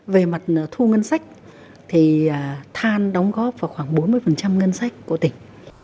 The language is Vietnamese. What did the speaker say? về mặt thu ngân sách thì than đóng góp vào khoảng bốn mươi ngân sách của tỉnh